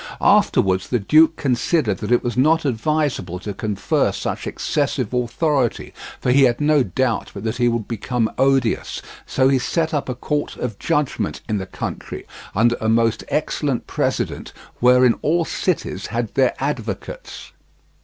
Afterwards the duke considered that it was not advisable to confer such excessive authority, for he had no doubt but that he would become odious, so he set up a court of judgment in the country, under a most excellent president, wherein all cities had their advocates.